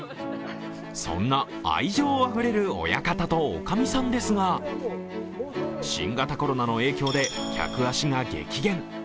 そんな愛情あふれる親方とおかみさんですが新型コロナの影響で客足が激減。